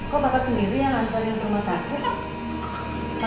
kok papa sendiri yang nganterin rumah sakit pa